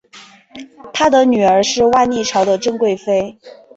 他的女儿是万历朝的郑贵妃。